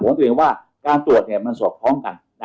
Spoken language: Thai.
ผมตัวเองว่าการตรวจมันสวบพร้อมกัน